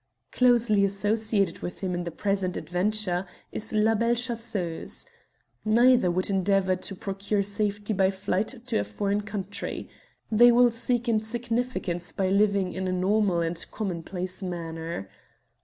Closely associated with him in the present adventure is La Belle Chasseuse. Neither would endeavour to procure safety by flight to a foreign country. They will seek insignificance by living in a normal and commonplace manner.